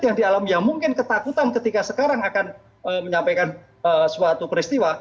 yang mungkin ketakutan ketika sekarang akan menyampaikan suatu peristiwa